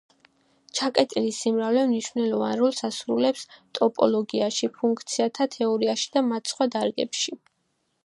ჩაკეტილი სიმრავლე მნიშვნელოვან როლს ასრულებს ტოპოლოგიაში, ფუნქციათა თეორიაში და მათ სხვა დარგებში.